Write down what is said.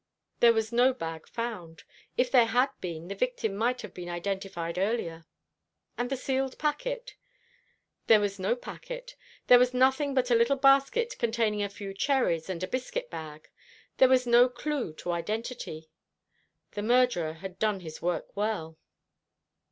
"There was no bag found. If there had been, the victim might have been identified earlier." "And the sealed packet?" "There was no packet. There was nothing but a little basket containing a few cherries and a biscuit bag. There was no clue to identity. The murderer had done his work well."